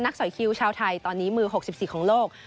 สอยคิวชาวไทยตอนนี้มือ๖๔ของโลก